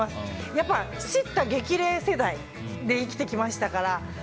やっぱり叱咤激励世代で生きてきましたから。